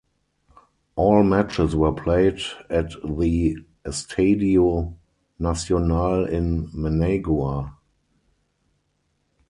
All matches were played at the Estadio Nacional in Managua.